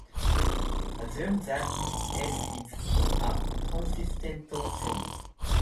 Assume that "S" is a consistent theory.